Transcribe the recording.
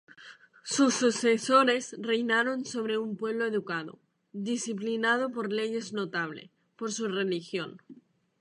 Sus sucesores reinaron sobre un pueblo educado, disciplinado por leyes, notable por su religión.